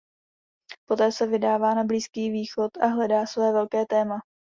Poté se vydává na Blízký východ a hledá své Velké téma.